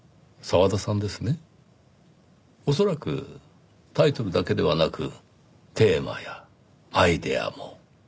恐らくタイトルだけではなくテーマやアイデアも。